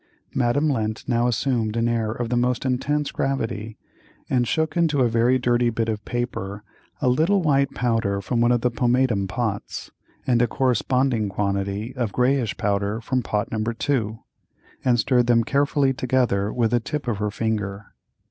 Madame Lent now assumed an air of the most intense gravity, and shook into a very dirty bit of paper a little white powder from one of the pomatum pots, and a corresponding quantity of grayish powder from pot No. 2, and stirred them carefully together with the tip of her finger.